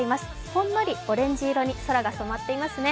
ほんのりオレンジ色に空が染まってますね。